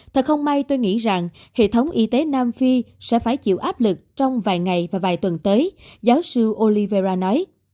thật không may tôi nghĩ rằng hệ thống y tế nam phi sẽ phải chịu áp lực trong vài ngày và vài tuần tới giáo sư olivera nói